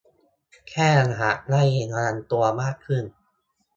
แค่อยากให้ระวังตัวมากขึ้น